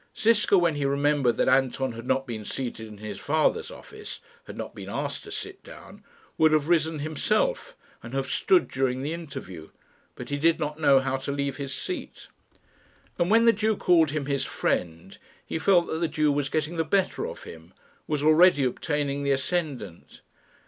Ziska, when he remembered that Anton had not been seated in his father's office had not been asked to sit down would have risen himself, and have stood during the interview, but he did not know how to leave his seat. And when the Jew called him his friend, he felt that the Jew was getting the better of him was already obtaining the ascendant.